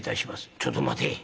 「ちょっと待て。